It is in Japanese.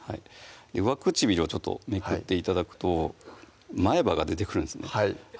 上唇をちょっとめくって頂くと前歯が出てくるんですね